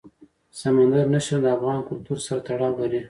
سمندر نه شتون د افغان کلتور سره تړاو لري.